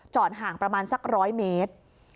จอดห่างประมาณสักร้อยเมตร